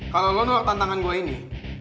kalau lo normal tantangan gue ini